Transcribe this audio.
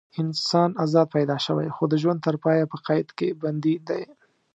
انسان ازاد پیدا شوی خو د ژوند تر پایه په قید کې بندي دی.